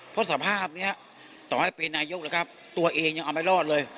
เพราะสภาพนี้ต่อให้เป็นนายกตัวเองยังเอาไปรอดเลย